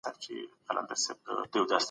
هغه د قدرت د منشأ په اړه خبري کړي دي.